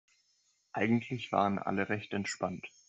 Eigentlich waren alle recht entspannt.